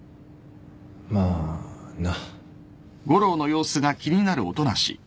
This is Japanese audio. まあな。